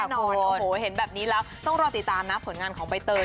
แน่นอนโอ้โหเห็นแบบนี้แล้วต้องรอติดตามนะผลงานของใบเตย